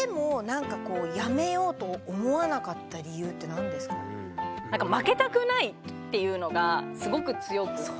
それでもなんかこう負けたくないっていうのがすごく強くて。